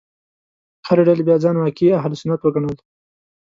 هرې ډلې بیا ځان واقعي اهل سنت وګڼل.